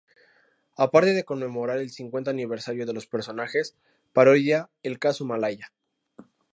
Aparte de conmemorar el cincuenta aniversario de los personajes, parodia el Caso Malaya.